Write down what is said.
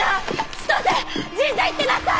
千歳神社行ってなさい！